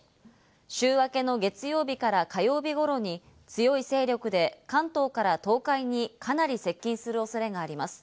週明けの月曜日から火曜日ごろに強い勢力で関東から東海にかなり接近する恐れがあります。